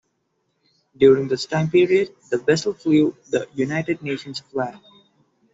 During this time period, the vessel flew the United Nations flag.